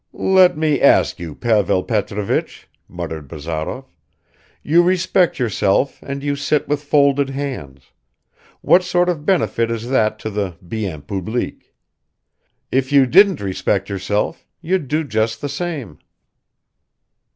"Let me ask you, Pavel Petrovich," muttered Bazarov, "you respect yourself and you sit with folded hands; what sort of benefit is that to the bien public? If you didn't respect yourself, you'd do just the same.